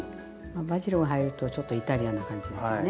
バジルが入るとちょっとイタリアンな感じですよね。